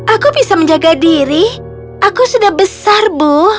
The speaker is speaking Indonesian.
aku bisa menjaga diri aku sudah besar bu